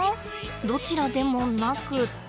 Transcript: どちらでもなくて。